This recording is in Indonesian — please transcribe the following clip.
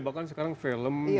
bahkan sekarang film